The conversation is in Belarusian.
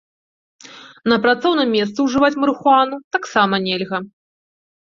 На працоўным месцы ўжываць марыхуану таксама нельга.